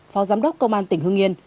phó giám đốc công an tỉnh hương yên